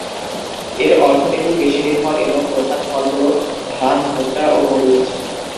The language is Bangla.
এর অর্থনীতি কৃষি নির্ভর এবং প্রধান ফল হল ধান, ভুট্টা ও মরিচ।